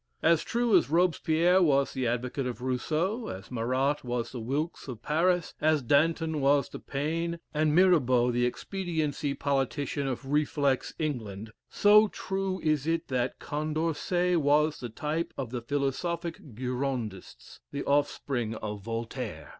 As true as Robespierre was the advocate of Rousseau, as Marat was the Wilkes of Paris, as Danton was the Paine, and Mirabeau the expediency politician of reflex England, so true is it that Condorcet was the type of the philosophic Girondists, the offspring of Voltaire.